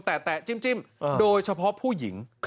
แตะจิ้มโดยเฉพาะผู้หญิง